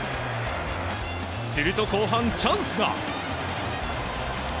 すると後半、チャンスが。